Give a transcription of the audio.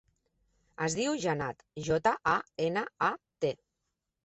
Es diu Janat: jota, a, ena, a, te.